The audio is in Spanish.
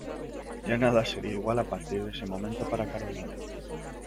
Ya nada sería igual a partir de ese momento para Carolina.